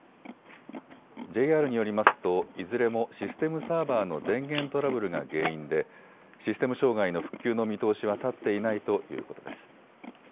ＪＲによりますといずれもシステムサーバーの電源トラブルが原因でシステム障害の復旧の見通しは立っていないということです。